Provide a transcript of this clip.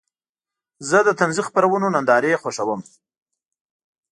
زه د طنزي خپرونو نندارې خوښوم.